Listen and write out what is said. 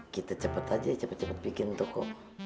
kita cepet aja ya cepet cepet bikin toko